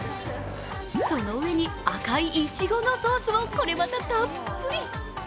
その上に赤いいちごのソースをこれまた、たっぷり。